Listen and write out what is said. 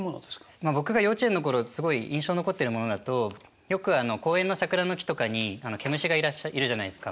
まあ僕が幼稚園の頃すごい印象に残ってるものだとよく公園の桜の木とかにケムシがいらっしゃるいるじゃないですか。